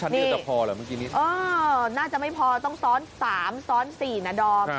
นี่น่าจะไม่พอต้องซ้อน๓๔นดอม